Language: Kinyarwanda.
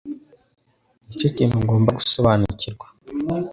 Nicyo kintu ugomba gusobanukirwa.